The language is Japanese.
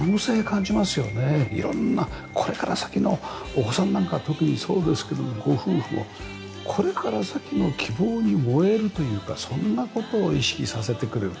お子さんなんか特にそうですけどもご夫婦もこれから先の希望に燃えるというかそんな事を意識させてくれる。